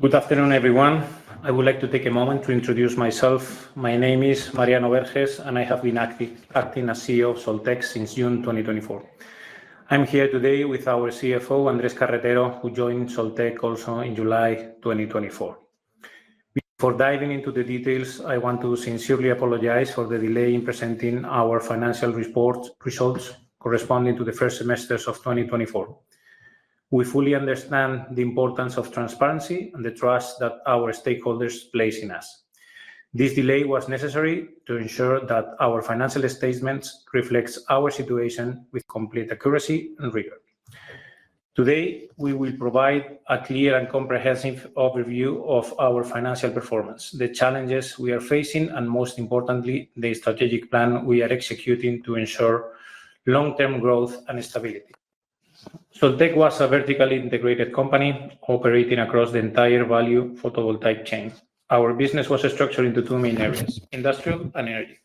Good afternoon, everyone. I would like to take a moment to introduce myself. My name is Mariano Berges, and I have been acting as CEO of Soltec since June 2024. I'm here today with our CFO, Andrés Carretero, who joined Soltec also in July 2024. Before diving into the details, I want to sincerely apologize for the delay in presenting our financial results corresponding to the first semester of 2024. We fully understand the importance of transparency and the trust that our stakeholders place in us. This delay was necessary to ensure that our financial statements reflect our situation with complete accuracy and rigor. Today, we will provide a clear and comprehensive overview of our financial performance, the challenges we are facing, and most importantly, the strategic plan we are executing to ensure long-term growth and stability. Soltec was a vertically integrated company operating across the entire value photovoltaic chain. Our business was structured into two main areas: industrial and energy.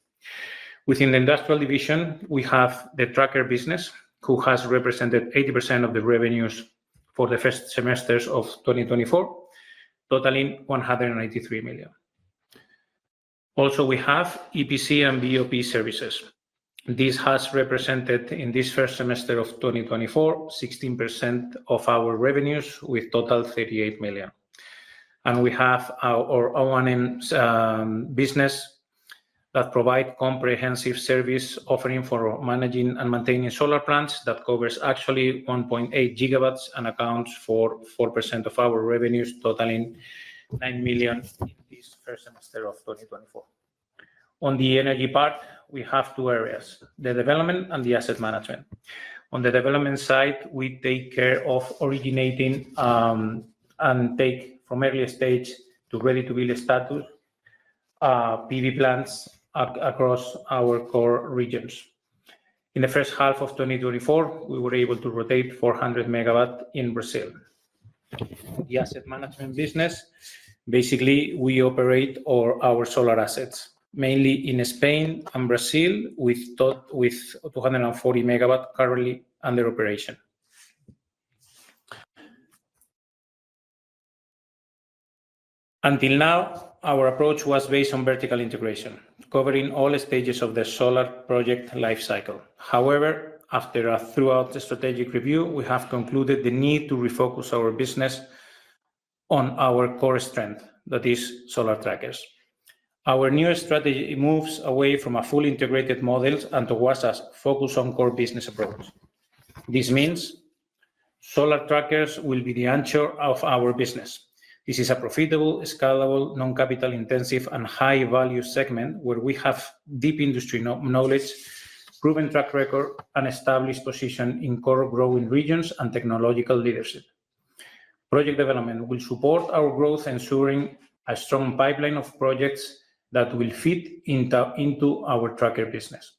Within the industrial division, we have the tracker business, who has represented 80% of the revenues for the first semesters of 2024, totaling 183 million. Also, we have EPC and O&M services. This has represented, in this first semester of 2024, 16% of our revenues, with a total of 38 million. We have our own business that provides comprehensive service offering for managing and maintaining solar plants that covers actually 1.8 GW and accounts for 4% of our revenues, totaling 9 million in this first semester of 2024. On the energy part, we have two areas: the development and the asset management. On the development side, we take care of originating and take from early stage to ready-to-build status PV plants across our core regions. In the H1 of 2024, we were able to rotate 400 MW in Brazil. The asset management business, basically, we operate our solar assets mainly in Spain and Brazil, with 240 MW currently under operation. Until now, our approach was based on vertical integration, covering all stages of the solar project lifecycle. However, after a thorough strategic review, we have concluded the need to refocus our business on our core strength, that is, solar trackers. Our new strategy moves away from a fully integrated model and towards a focus on core business approach. This means solar trackers will be the anchor of our business. This is a profitable, scalable, non-capital-intensive, and high-value segment where we have deep industry knowledge, proven track record, and an established position in core growing regions and technological leadership. Project development will support our growth, ensuring a strong pipeline of projects that will fit into our tracker business.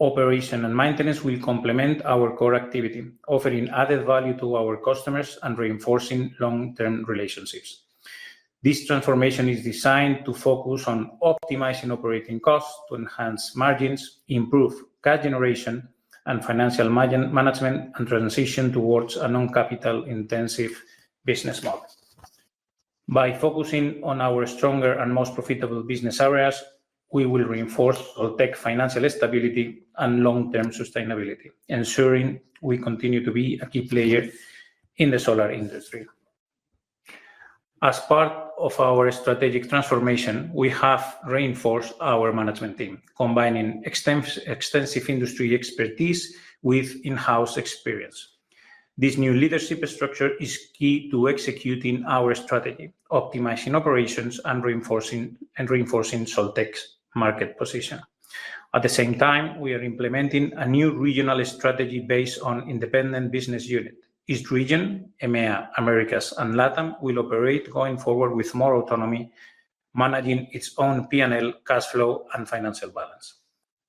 Operation and maintenance will complement our core activity, offering added value to our customers and reinforcing long-term relationships. This transformation is designed to focus on optimizing operating costs to enhance margins, improve cash generation, and financial management, and transition towards a non-capital-intensive business model. By focusing on our stronger and most profitable business areas, we will reinforce Soltec's financial stability and long-term sustainability, ensuring we continue to be a key player in the solar industry. As part of our strategic transformation, we have reinforced our management team, combining extensive industry expertise with in-house experience. This new leadership structure is key to executing our strategy, optimizing operations, and reinforcing Soltec's market position. At the same time, we are implementing a new regional strategy based on independent business units. Each region, EMEA, Americas, and LATAM will operate going forward with more autonomy, managing its own P&L, cash flow, and financial balance.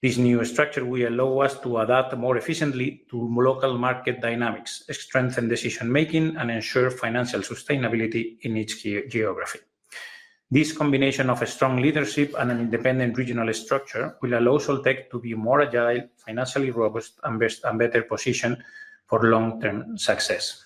This new structure will allow us to adapt more efficiently to local market dynamics, strengthen decision-making, and ensure financial sustainability in each geography. This combination of strong leadership and an independent regional structure will allow Soltec to be more agile, financially robust, and better positioned for long-term success.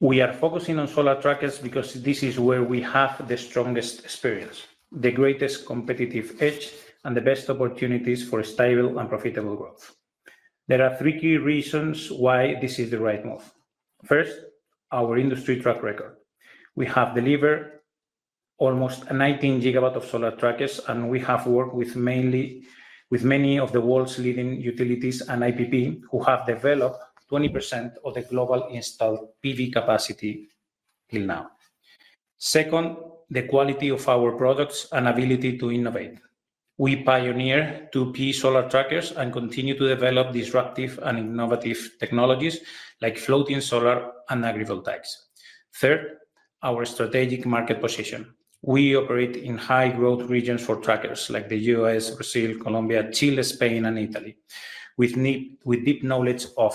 We are focusing on solar trackers because this is where we have the strongest experience, the greatest competitive edge, and the best opportunities for stable and profitable growth. There are three key reasons why this is the right move. First, our industry track record. We have delivered almost 19 GW of solar trackers, and we have worked with many of the world's leading utilities and IPPs who have developed 20% of the global installed PV capacity till now. Second, the quality of our products and ability to innovate. We pioneer two key solar trackers and continue to develop disruptive and innovative technologies like floating solar and agrivoltaics. Third, our strategic market position. We operate in high-growth regions for trackers like the U.S., Brazil, Colombia, Chile, Spain, and Italy, with deep knowledge of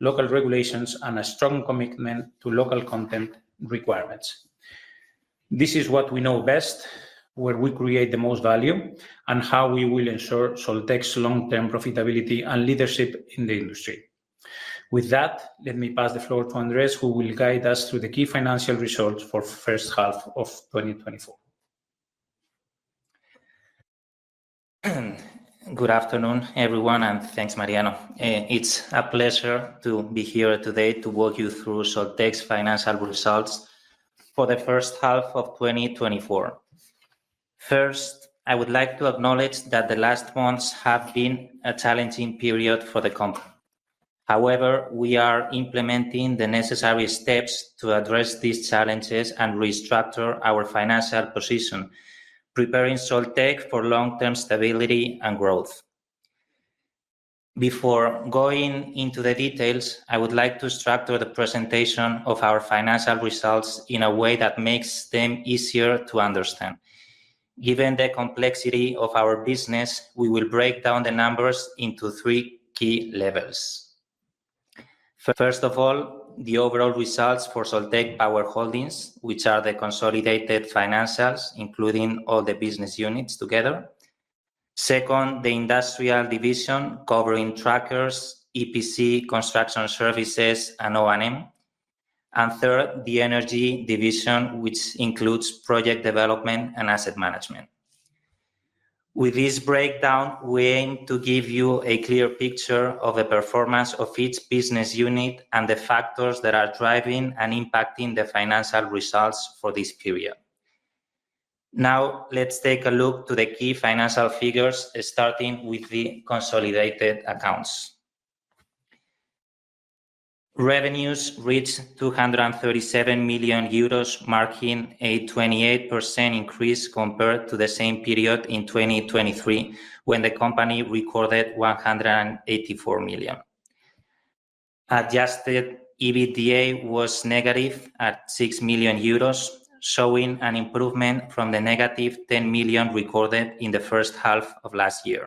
local regulations and a strong commitment to local content requirements. This is what we know best, where we create the most value, and how we will ensure Soltec's long-term profitability and leadership in the industry. With that, let me pass the floor to Andrés, who will guide us through the key financial results for the H1 of 2024. Good afternoon, everyone, and thanks, Mariano. It's a pleasure to be here today to walk you through Soltec's financial results for the H1 of 2024. First, I would like to acknowledge that the last months have been a challenging period for the company. However, we are implementing the necessary steps to address these challenges and restructure our financial position, preparing Soltec for long-term stability and growth. Before going into the details, I would like to structure the presentation of our financial results in a way that makes them easier to understand. Given the complexity of our business, we will break down the numbers into three key levels. First of all, the overall results for Soltec Power Holdings, which are the consolidated financials, including all the business units together. Second, the industrial division covering trackers, EPC, construction services, and O&M. Third, the energy division, which includes project development and asset management. With this breakdown, we aim to give you a clear picture of the performance of each business unit and the factors that are driving and impacting the financial results for this period. Now, let's take a look at the key financial figures, starting with the consolidated accounts. Revenues reached 237 million euros, marking a 28% increase compared to the same period in 2023, when the company recorded 184 million. Adjusted EBITDA was negative at 6 million euros, showing an improvement from the negative 10 million recorded in the H1 of last year.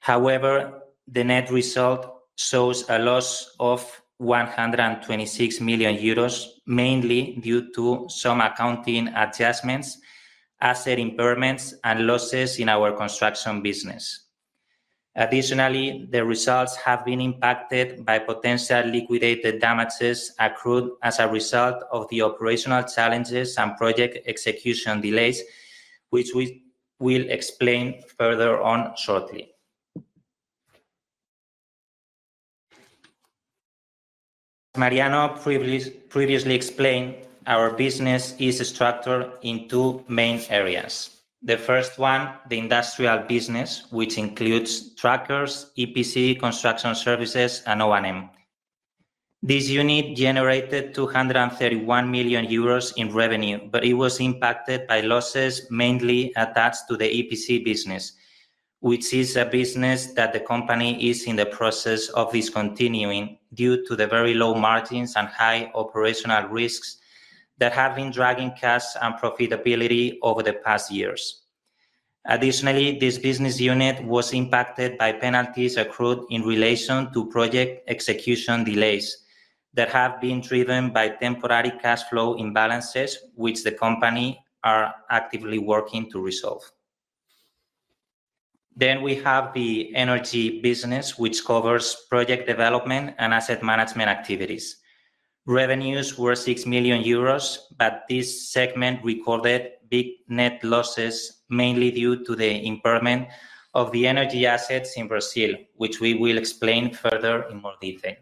However, the net result shows a loss of 126 million euros, mainly due to some accounting adjustments, asset impairments, and losses in our construction business. Additionally, the results have been impacted by potential liquidated damages accrued as a result of the operational challenges and project execution delays, which we will explain further on shortly. As Mariano previously explained, our business is structured in two main areas. The first one, the industrial business, which includes trackers, EPC, construction services, and O&M. This unit generated 231 million euros in revenue, but it was impacted by losses mainly attached to the EPC business, which is a business that the company is in the process of discontinuing due to the very low margins and high operational risks that have been dragging cash and profitability over the past years. Additionally, this business unit was impacted by penalties accrued in relation to project execution delays that have been driven by temporary cash flow imbalances, which the company is actively working to resolve. We have the energy business, which covers project development and asset management activities. Revenues were 6 million euros, but this segment recorded big net losses mainly due to the impairment of the energy assets in Brazil, which we will explain further in more detail.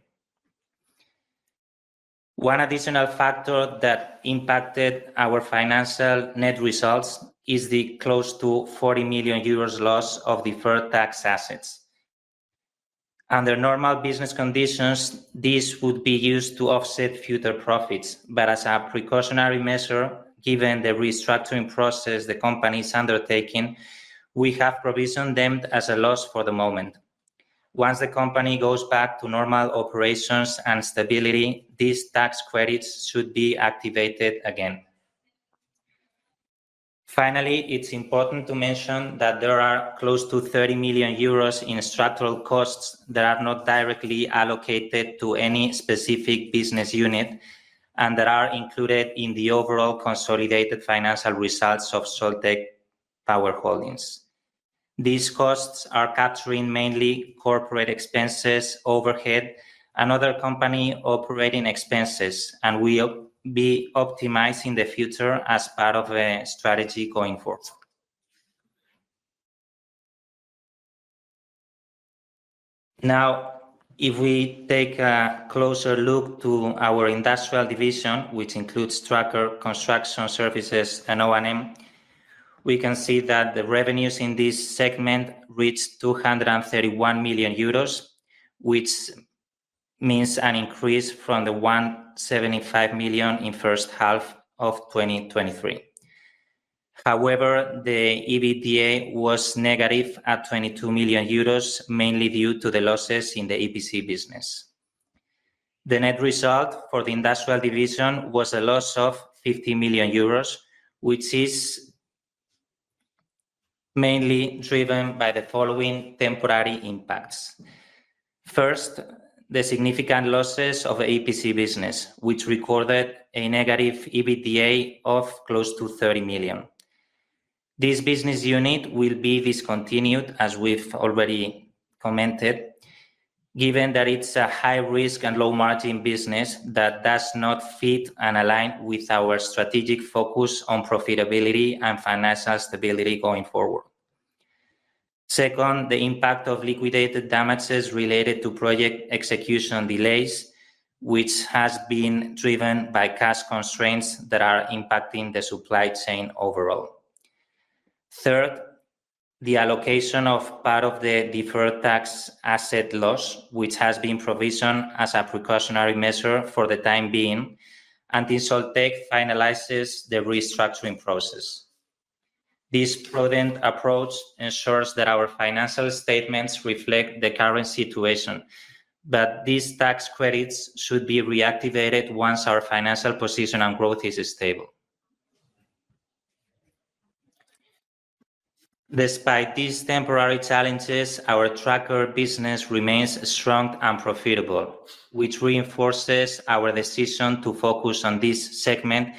One additional factor that impacted our financial net results is the close to 40 million euros loss of deferred tax assets. Under normal business conditions, this would be used to offset future profits, but as a precautionary measure, given the restructuring process the company is undertaking, we have provisioned them as a loss for the moment. Once the company goes back to normal operations and stability, these tax credits should be activated again. Finally, it's important to mention that there are close to 30 million euros in structural costs that are not directly allocated to any specific business unit and that are included in the overall consolidated financial results of Soltec Power Holdings. These costs are capturing mainly corporate expenses, overhead, and other company operating expenses, and we will be optimizing the future as part of the strategy going forward. Now, if we take a closer look at our industrial division, which includes tracker, construction services, and O&M, we can see that the revenues in this segment reached 231 million euros, which means an increase from the 175 million in the H1 of 2023. However, the EBITDA was negative at 22 million euros, mainly due to the losses in the EPC business. The net result for the industrial division was a loss of 50 million euros, which is mainly driven by the following temporary impacts. First, the significant losses of the EPC business, which recorded a negative EBITDA of close to 30 million. This business unit will be discontinued, as we've already commented, given that it's a high-risk and low-margin business that does not fit and align with our strategic focus on profitability and financial stability going forward. Second, the impact of liquidated damages related to project execution delays, which has been driven by cash constraints that are impacting the supply chain overall. Third, the allocation of part of the deferred tax asset loss, which has been provisioned as a precautionary measure for the time being, until Soltec finalizes the restructuring process. This prudent approach ensures that our financial statements reflect the current situation, but these tax credits should be reactivated once our financial position and growth is stable. Despite these temporary challenges, our tracker business remains strong and profitable, which reinforces our decision to focus on this segment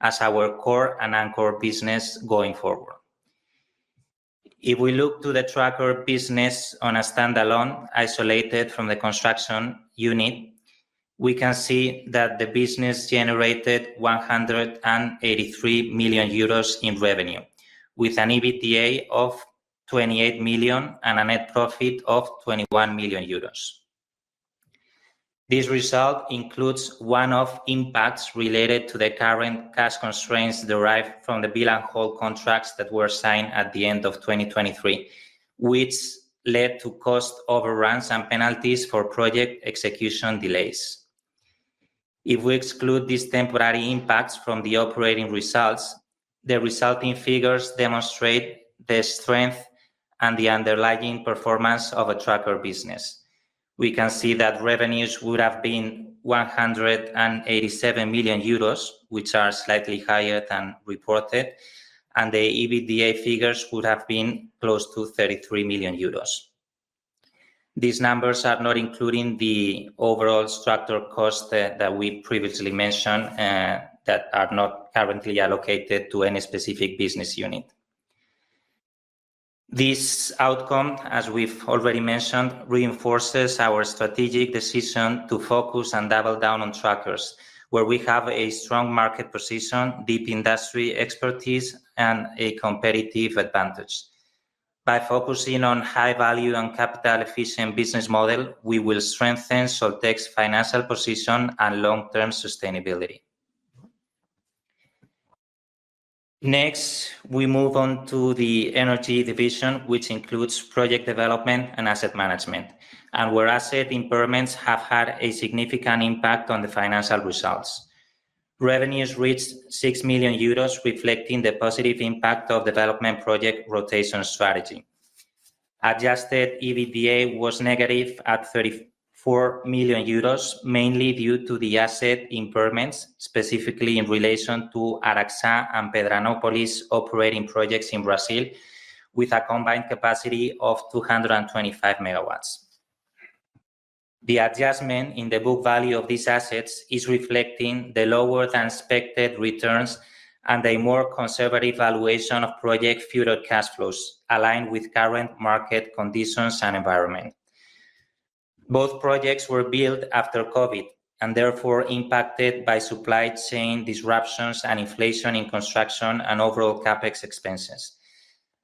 as our core and anchor business going forward. If we look to the tracker business on a standalone, isolated from the construction unit, we can see that the business generated 183 million euros in revenue, with an EBITDA of 28 million and a net profit of 21 million euros. This result includes one of the impacts related to the current cash constraints derived from the bill and hold contracts that were signed at the end of 2023, which led to cost overruns and penalties for project execution delays. If we exclude these temporary impacts from the operating results, the resulting figures demonstrate the strength and the underlying performance of a tracker business. We can see that revenues would have been 187 million euros, which are slightly higher than reported, and the EBITDA figures would have been close to 33 million euros. These numbers are not including the overall structural costs that we previously mentioned that are not currently allocated to any specific business unit. This outcome, as we've already mentioned, reinforces our strategic decision to focus and double down on trackers, where we have a strong market position, deep industry expertise, and a competitive advantage. By focusing on a high-value and capital-efficient business model, we will strengthen Soltec's financial position and long-term sustainability. Next, we move on to the energy division, which includes project development and asset management, and where asset impairments have had a significant impact on the financial results. Revenues reached 6 million euros, reflecting the positive impact of the development project rotation strategy. Adjusted EBITDA was negative at 34 million euros, mainly due to the asset impairments, specifically in relation to Araxá and Pedranópolis operating projects in Brazil, with a combined capacity of 225 MW. The adjustment in the book value of these assets is reflecting the lower-than-expected returns and a more conservative valuation of project future cash flows, aligned with current market conditions and environment. Both projects were built after COVID and therefore impacted by supply chain disruptions and inflation in construction and overall CapEx expenses.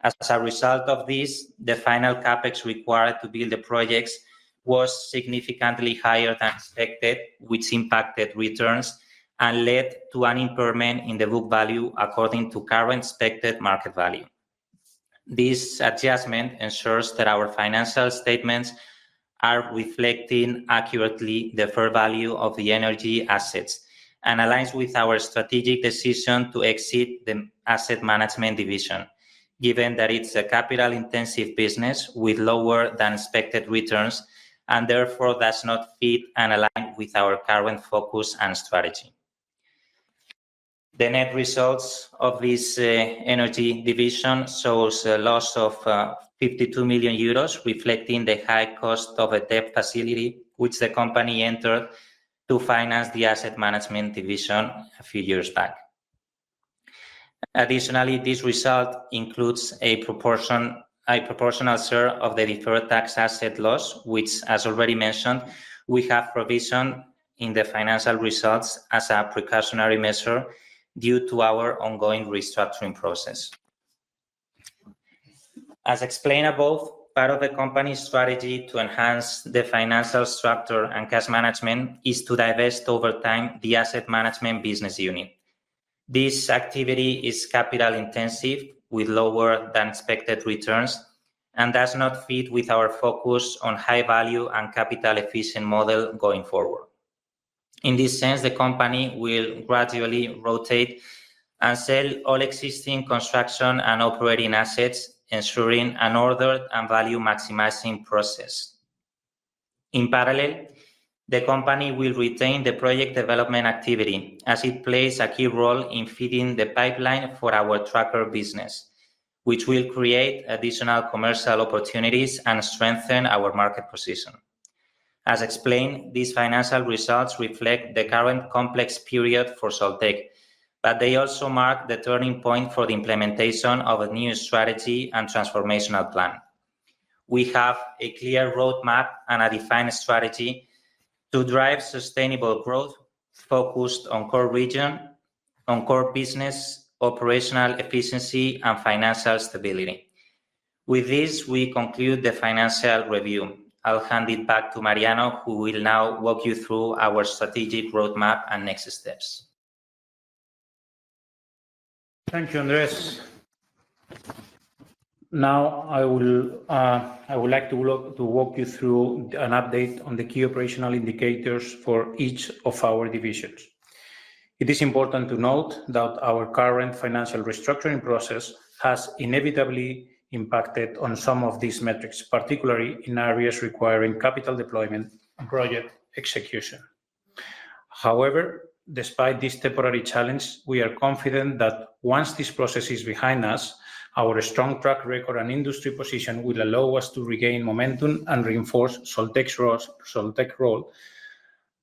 As a result of this, the final CapEx required to build the projects was significantly higher than expected, which impacted returns and led to an impairment in the book value according to current expected market value. This adjustment ensures that our financial statements are reflecting accurately the fair value of the energy assets and aligns with our strategic decision to exit the asset management division, given that it's a capital-intensive business with lower-than-expected returns and therefore does not fit and align with our current focus and strategy. The net results of this energy division show a loss of 52 million euros, reflecting the high cost of a debt facility, which the company entered to finance the asset management division a few years back. Additionally, this result includes a proportional share of the deferred tax asset loss, which, as already mentioned, we have provisioned in the financial results as a precautionary measure due to our ongoing restructuring process. As explained above, part of the company's strategy to enhance the financial structure and cash management is to divest over time the asset management business unit. This activity is capital-intensive, with lower-than-expected returns, and does not fit with our focus on a high-value and capital-efficient model going forward. In this sense, the company will gradually rotate and sell all existing construction and operating assets, ensuring an ordered and value-maximizing process. In parallel, the company will retain the project development activity, as it plays a key role in feeding the pipeline for our tracker business, which will create additional commercial opportunities and strengthen our market position. As explained, these financial results reflect the current complex period for Soltec, but they also mark the turning point for the implementation of a new strategy and transformational plan. We have a clear roadmap and a defined strategy to drive sustainable growth focused on core region, on core business, operational efficiency, and financial stability. With this, we conclude the financial review. I'll hand it back to Mariano, who will now walk you through our strategic roadmap and next steps. Thank you, Andrés. Now, I would like to walk you through an update on the key operational indicators for each of our divisions. It is important to note that our current financial restructuring process has inevitably impacted on some of these metrics, particularly in areas requiring capital deployment and project execution. However, despite this temporary challenge, we are confident that once this process is behind us, our strong track record and industry position will allow us to regain momentum and reinforce Soltec's role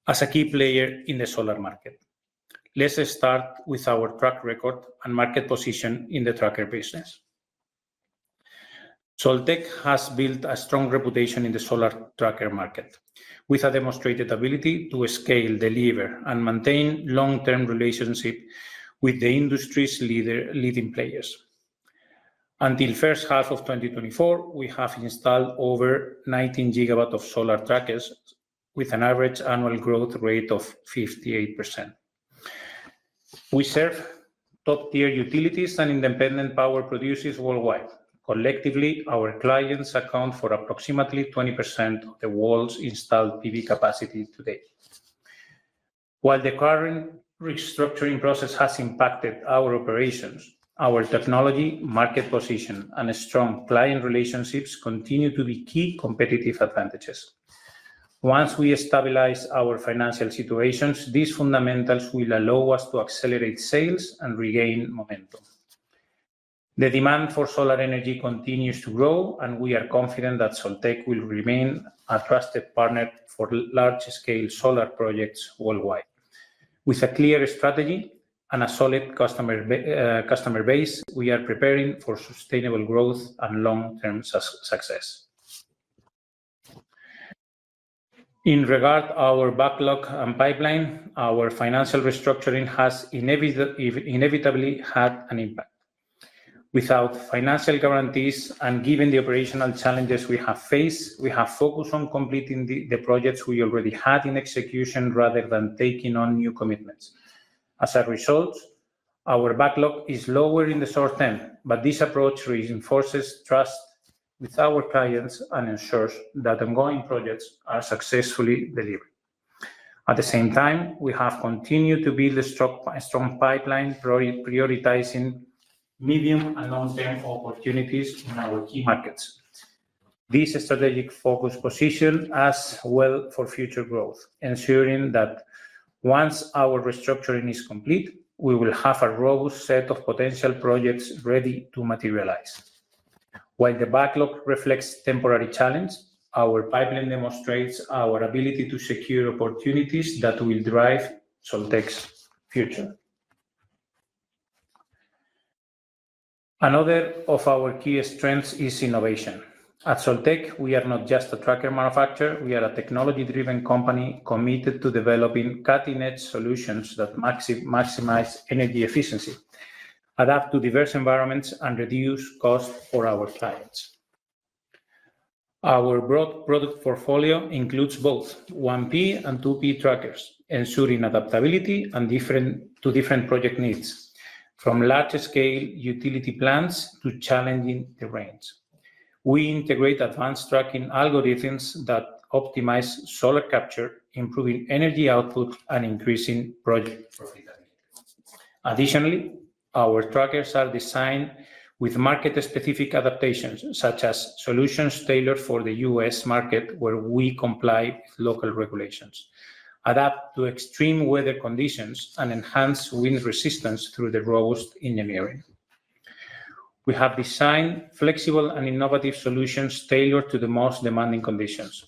as a key player in the solar market. Let's start with our track record and market position in the tracker business. Soltec has built a strong reputation in the solar tracker market, with a demonstrated ability to scale, deliver, and maintain long-term relationships with the industry's leading players. Until the H1 of 2024, we have installed over 19 GW of solar trackers, with an average annual growth rate of 58%. We serve top-tier utilities and independent power producers worldwide. Collectively, our clients account for approximately 20% of the world's installed PV capacity today. While the current restructuring process has impacted our operations, our technology, market position, and strong client relationships continue to be key competitive advantages. Once we stabilize our financial situations, these fundamentals will allow us to accelerate sales and regain momentum. The demand for solar energy continues to grow, and we are confident that Soltec will remain a trusted partner for large-scale solar projects worldwide. With a clear strategy and a solid customer base, we are preparing for sustainable growth and long-term success. In regard to our backlog and pipeline, our financial restructuring has inevitably had an impact. Without financial guarantees and given the operational challenges we have faced, we have focused on completing the projects we already had in execution rather than taking on new commitments. As a result, our backlog is lower in the short term, but this approach reinforces trust with our clients and ensures that ongoing projects are successfully delivered. At the same time, we have continued to build a strong pipeline, prioritizing medium and long-term opportunities in our key markets. This strategic focus positions us well for future growth, ensuring that once our restructuring is complete, we will have a robust set of potential projects ready to materialize. While the backlog reflects temporary challenges, our pipeline demonstrates our ability to secure opportunities that will drive Soltec's future. Another of our key strengths is innovation. At Soltec, we are not just a tracker manufacturer; we are a technology-driven company committed to developing cutting-edge solutions that maximize energy efficiency, adapt to diverse environments, and reduce costs for our clients. Our broad product portfolio includes both 1P and 2P trackers, ensuring adaptability to different project needs, from large-scale utility plants to challenging terrains. We integrate advanced tracking algorithms that optimize solar capture, improving energy output and increasing project profitability. Additionally, our trackers are designed with market-specific adaptations, such as solutions tailored for the U.S. market, where we comply with local regulations, adapt to extreme weather conditions, and enhance wind resistance through robust engineering. We have designed flexible and innovative solutions tailored to the most demanding conditions,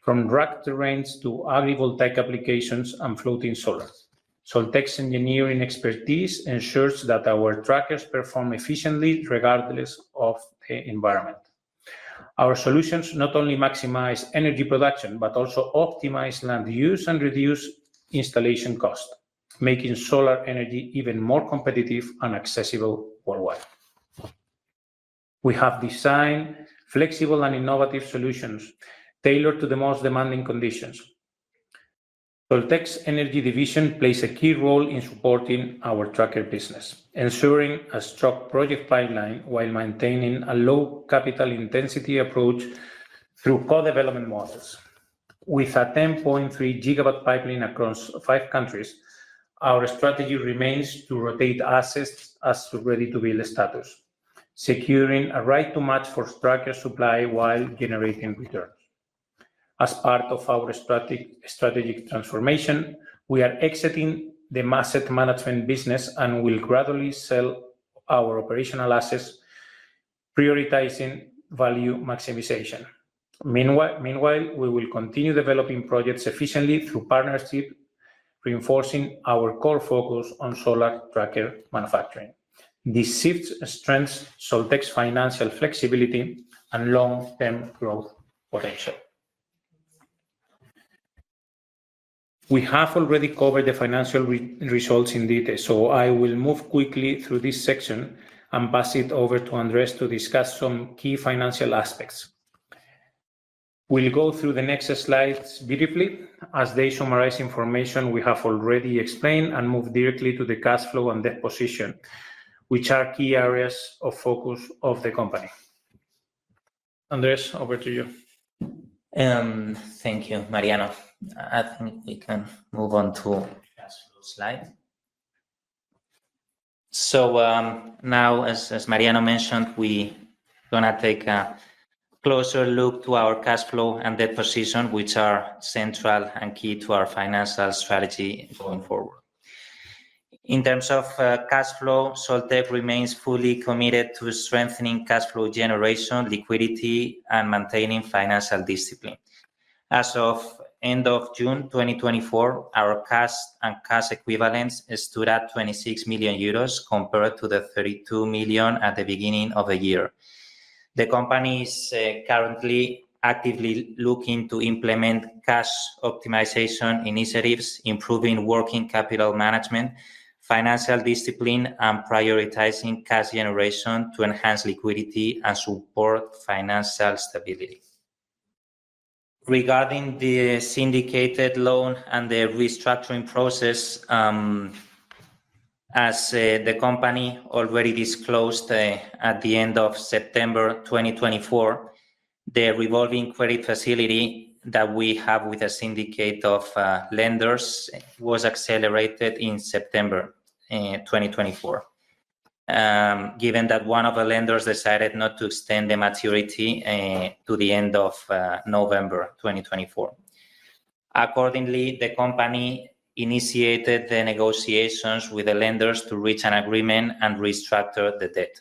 from rock terrains to agrivoltaic applications and floating solar. Soltec's engineering expertise ensures that our trackers perform efficiently regardless of the environment. Our solutions not only maximize energy production, but also optimize land use and reduce installation costs, making solar energy even more competitive and accessible worldwide. We have designed flexible and innovative solutions tailored to the most demanding conditions. Soltec's energy division plays a key role in supporting our tracker business, ensuring a strong project pipeline while maintaining a low capital-intensity approach through co-development models. With a 10.3 GW pipeline across five countries, our strategy remains to rotate assets as to ready-to-build status, securing a right-to-match for tracker supply while generating returns. As part of our strategic transformation, we are exiting the asset management business and will gradually sell our operational assets, prioritizing value maximization. Meanwhile, we will continue developing projects efficiently through partnerships, reinforcing our core focus on solar tracker manufacturing. This shift strengthens Soltec's financial flexibility and long-term growth potential. We have already covered the financial results in detail, so I will move quickly through this section and pass it over to Andrés to discuss some key financial aspects. We'll go through the next slides briefly as they summarize information we have already explained and move directly to the cash flow and debt position, which are key areas of focus of the company. Andrés, over to you. Thank you, Mariano. I think we can move on to the cash flow slide. Now, as Mariano mentioned, we're going to take a closer look to our cash flow and debt position, which are central and key to our financial strategy going forward. In terms of cash flow, Soltec remains fully committed to strengthening cash flow generation, liquidity, and maintaining financial discipline. As of the end of June 2024, our cash and cash equivalents stood at 26 million euros compared to the 32 million at the beginning of the year. The company is currently actively looking to implement cash optimization initiatives, improving working capital management, financial discipline, and prioritizing cash generation to enhance liquidity and support financial stability. Regarding the syndicated loan and the restructuring process, as the company already disclosed at the end of September 2024, the revolving credit facility that we have with a syndicate of lenders was accelerated in September 2024, given that one of the lenders decided not to extend the maturity to the end of November 2024. Accordingly, the company initiated the negotiations with the lenders to reach an agreement and restructure the debt.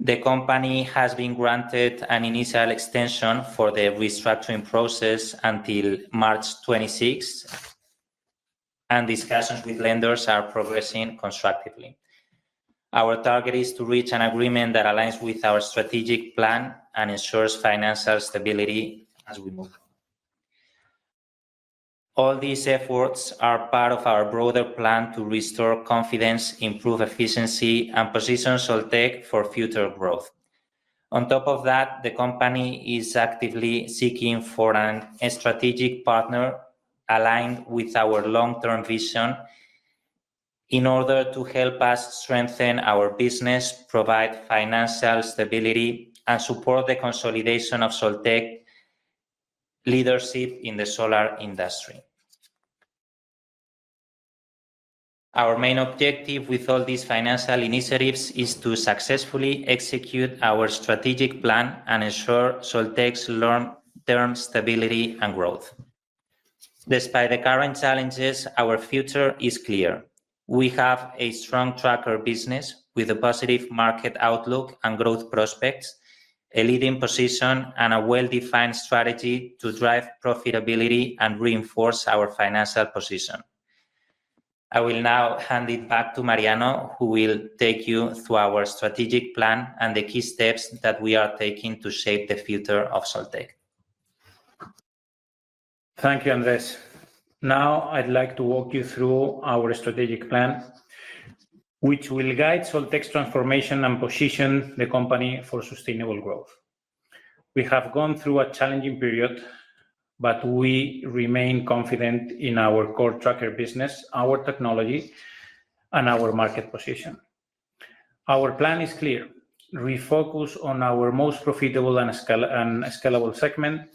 The company has been granted an initial extension for the restructuring process until March 2026, and discussions with lenders are progressing constructively. Our target is to reach an agreement that aligns with our strategic plan and ensures financial stability as we move forward. All these efforts are part of our broader plan to restore confidence, improve efficiency, and position Soltec for future growth. On top of that, the company is actively seeking a strategic partner aligned with our long-term vision in order to help us strengthen our business, provide financial stability, and support the consolidation of Soltec leadership in the solar industry. Our main objective with all these financial initiatives is to successfully execute our strategic plan and ensure Soltec's long-term stability and growth. Despite the current challenges, our future is clear. We have a strong tracker business with a positive market outlook and growth prospects, a leading position, and a well-defined strategy to drive profitability and reinforce our financial position. I will now hand it back to Mariano, who will take you through our strategic plan and the key steps that we are taking to shape the future of Soltec. Thank you, Andrés. Now, I'd like to walk you through our strategic plan, which will guide Soltec's transformation and position the company for sustainable growth. We have gone through a challenging period, but we remain confident in our core tracker business, our technology, and our market position. Our plan is clear. We focus on our most profitable and scalable segment,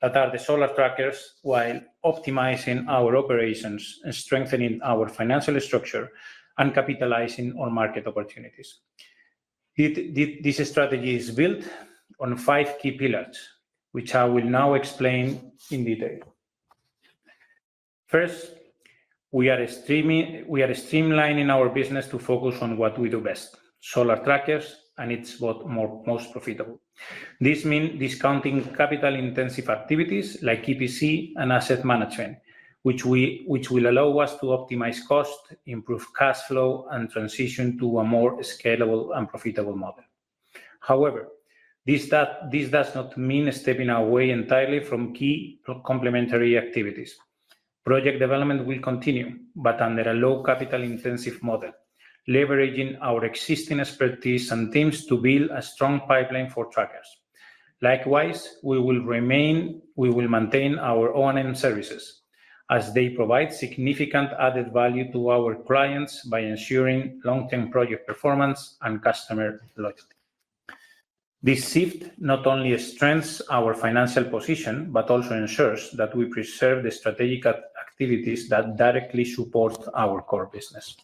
that are the solar trackers, while optimizing our operations and strengthening our financial structure and capitalizing on market opportunities. This strategy is built on five key pillars, which I will now explain in detail. First, we are streamlining our business to focus on what we do best: solar trackers, and it's what's most profitable. This means discounting capital-intensive activities like EPC and asset management, which will allow us to optimize costs, improve cash flow, and transition to a more scalable and profitable model. However, this does not mean stepping away entirely from key complementary activities. Project development will continue, but under a low capital-intensive model, leveraging our existing expertise and teams to build a strong pipeline for trackers. Likewise, we will maintain our O&M services, as they provide significant added value to our clients by ensuring long-term project performance and customer loyalty. This shift not only strengthens our financial position, but also ensures that we preserve the strategic activities that directly support our core business.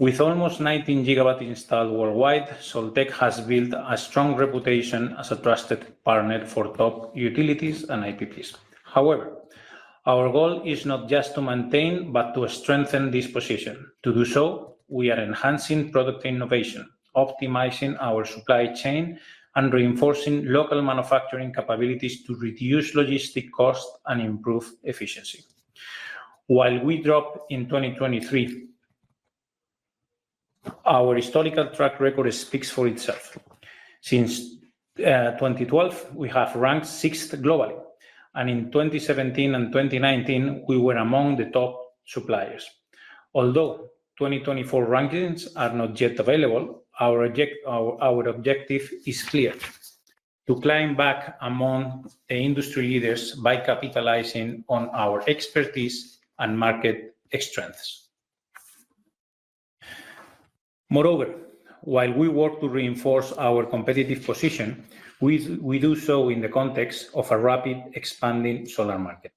With almost 19 GW installed worldwide, Soltec has built a strong reputation as a trusted partner for top utilities and IPPs. However, our goal is not just to maintain, but to strengthen this position. To do so, we are enhancing product innovation, optimizing our supply chain, and reinforcing local manufacturing capabilities to reduce logistic costs and improve efficiency. While we dropped in 2023, our historical track record speaks for itself. Since 2012, we have ranked sixth globally, and in 2017 and 2019, we were among the top suppliers. Although 2024 rankings are not yet available, our objective is clear: to climb back among the industry leaders by capitalizing on our expertise and market strengths. Moreover, while we work to reinforce our competitive position, we do so in the context of a rapidly expanding solar market.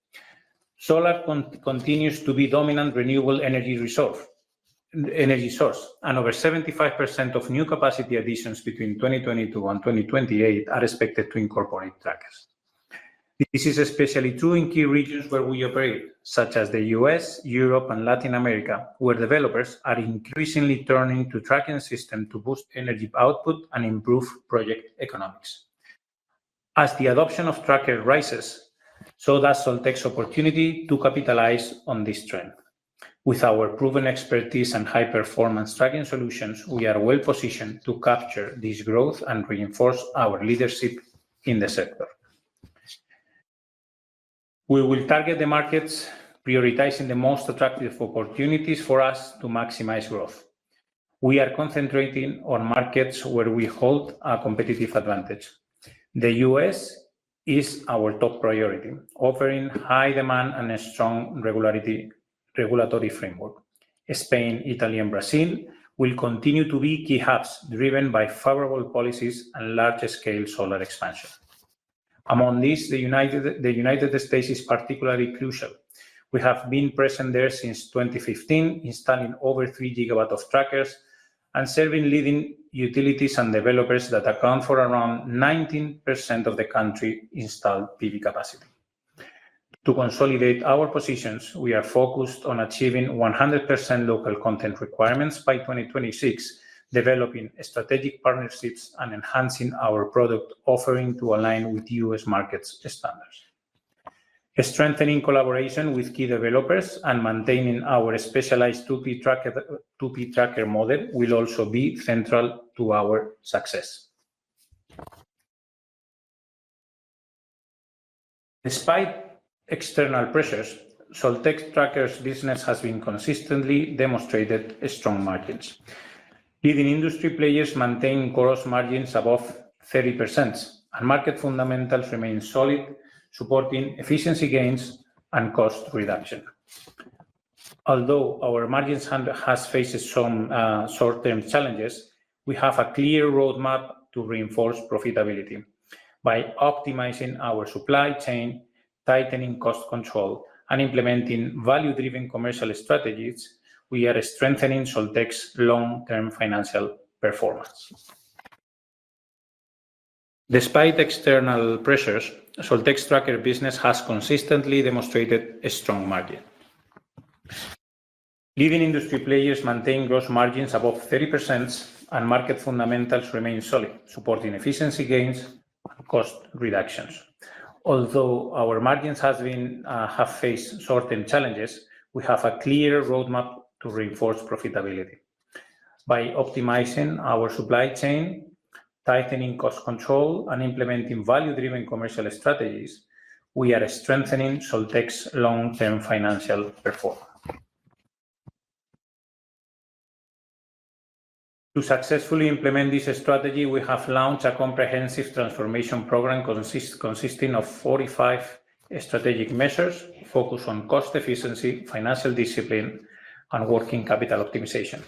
Solar continues to be a dominant renewable energy source, and over 75% of new capacity additions between 2022 and 2028 are expected to incorporate trackers. This is especially true in key regions where we operate, such as the U.S., Europe, and Latin America, where developers are increasingly turning to tracking systems to boost energy output and improve project economics. As the adoption of trackers rises, Soltec takes the opportunity to capitalize on this trend. With our proven expertise and high-performance tracking solutions, we are well-positioned to capture this growth and reinforce our leadership in the sector. We will target the markets, prioritizing the most attractive opportunities for us to maximize growth. We are concentrating on markets where we hold a competitive advantage. The U.S. is our top priority, offering high demand and a strong regulatory framework. Spain, Italy, and Brazil will continue to be key hubs, driven by favorable policies and large-scale solar expansion. Among these, the United States is particularly crucial. We have been present there since 2015, installing over 3 GW of trackers and serving leading utilities and developers that account for around 19% of the country's installed PV capacity. To consolidate our positions, we are focused on achieving 100% local content requirements by 2026, developing strategic partnerships, and enhancing our product offering to align with U.S. market standards. Strengthening collaboration with key developers and maintaining our specialized 2P tracker model will also be central to our success. Despite external pressures, Soltec's tracker business has consistently demonstrated strong margins. Leading industry players maintain gross margins above 30%, and market fundamentals remain solid, supporting efficiency gains and cost reduction. Although our margins have faced some short-term challenges, we have a clear roadmap to reinforce profitability. By optimizing our supply chain, tightening cost control, and implementing value-driven commercial strategies, we are strengthening Soltec's long-term financial performance. Despite external pressures, Soltec's tracker business has consistently demonstrated a strong margin. Leading industry players maintain gross margins above 30%, and market fundamentals remain solid, supporting efficiency gains and cost reductions. Although our margins have faced certain challenges, we have a clear roadmap to reinforce profitability. By optimizing our supply chain, tightening cost control, and implementing value-driven commercial strategies, we are strengthening Soltec's long-term financial performance. To successfully implement this strategy, we have launched a comprehensive transformation program consisting of 45 strategic measures focused on cost efficiency, financial discipline, and working capital optimization.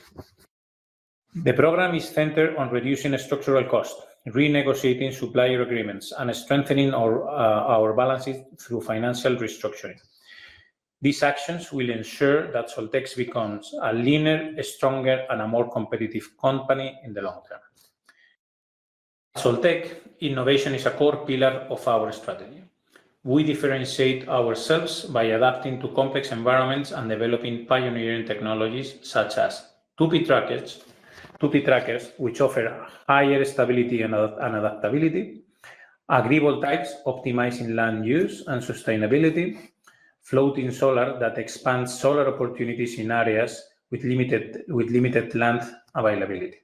The program is centered on reducing structural costs, renegotiating supplier agreements, and strengthening our balances through financial restructuring. These actions will ensure that Soltec becomes a leaner, stronger, and more competitive company in the long term. Soltec innovation is a core pillar of our strategy. We differentiate ourselves by adapting to complex environments and developing pioneering technologies such as 2P trackers, which offer higher stability and adaptability, agrivoltaics, optimizing land use and sustainability, floating solar that expands solar opportunities in areas with limited land availability.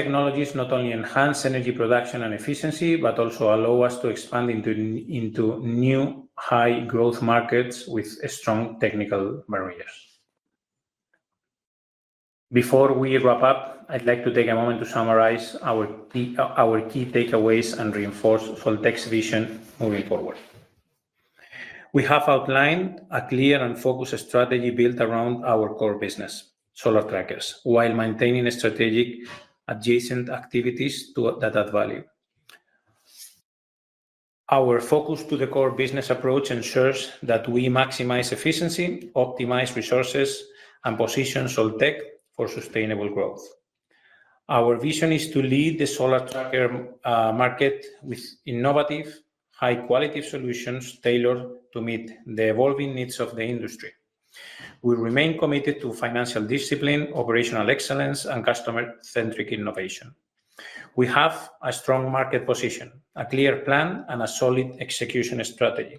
Technologies not only enhance energy production and efficiency, but also allow us to expand into new high-growth markets with strong technical barriers. Before we wrap up, I'd like to take a moment to summarize our key takeaways and reinforce Soltec's vision moving forward. We have outlined a clear and focused strategy built around our core business, solar trackers, while maintaining strategic adjacent activities that add value. Our focus on the core business approach ensures that we maximize efficiency, optimize resources, and position Soltec for sustainable growth. Our vision is to lead the solar tracker market with innovative, high-quality solutions tailored to meet the evolving needs of the industry. We remain committed to financial discipline, operational excellence, and customer-centric innovation. We have a strong market position, a clear plan, and a solid execution strategy.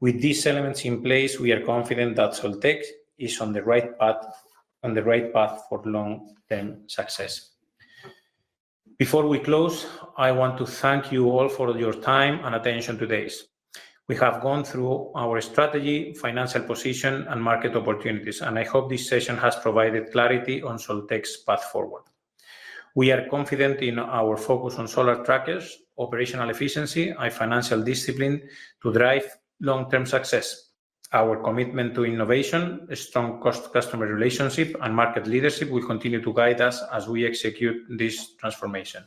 With these elements in place, we are confident that Soltec is on the right path for long-term success. Before we close, I want to thank you all for your time and attention today. We have gone through our strategy, financial position, and market opportunities, and I hope this session has provided clarity on Soltec's path forward. We are confident in our focus on solar trackers, operational efficiency, and financial discipline to drive long-term success. Our commitment to innovation, strong customer relationships, and market leadership will continue to guide us as we execute this transformation.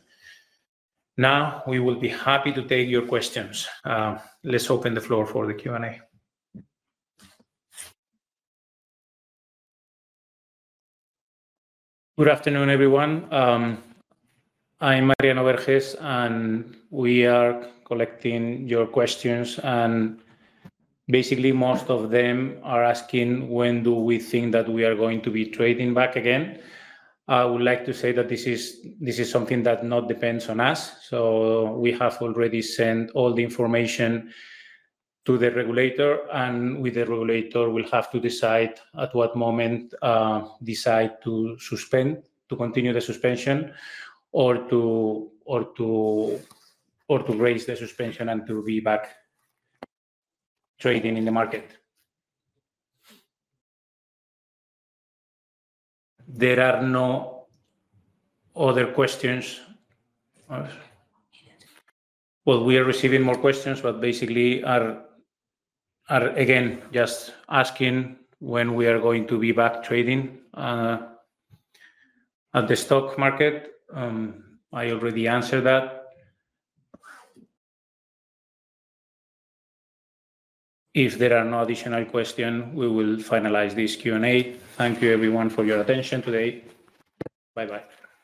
Now, we will be happy to take your questions. Let's open the floor for the Q&A. Good afternoon, everyone. I'm Mariano Berges, and we are collecting your questions. Basically, most of them are asking when do we think that we are going to be trading back again. I would like to say that this is something that does not depend on us. We have already sent all the information to the regulator, and the regulator will have to decide at what moment to suspend, to continue the suspension, or to raise the suspension and to be back trading in the market. There are no other questions. We are receiving more questions, but basically, again, just asking when we are going to be back trading at the stock market. I already answered that. If there are no additional questions, we will finalize this Q&A. Thank you, everyone, for your attention today. Bye-bye.